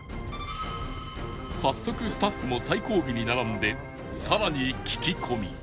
早速スタッフも最後尾に並んで更に聞き込み